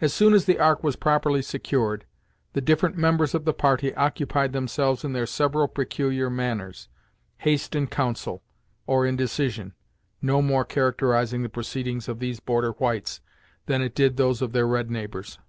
As soon as the Ark was properly secured, the different members of the party occupied themselves in their several peculiar manners, haste in council, or in decision, no more characterizing the proceedings of these border whites, than it did those of their red neighbors.